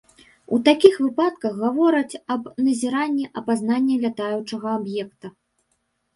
У такіх выпадках гавораць аб назіранні апазнанага лятаючага аб'екта.